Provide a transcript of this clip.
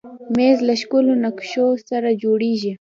مېز له ښکلو نقشو سره جوړېږي.